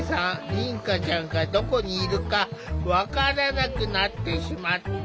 凛花ちゃんがどこにいるか分からなくなってしまった。